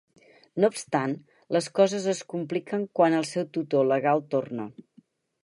No obstant, les coses es compliquen quan el seu tutor legal torna.